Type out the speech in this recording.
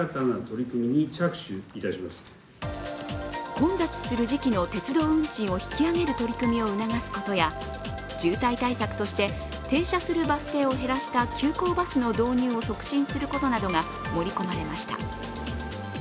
混雑する時期の鉄道運賃を引き上げる取り組みを促すことや渋滞対策として停車するバス停を減らした急行バスの導入を促進することなどが盛り込まれました。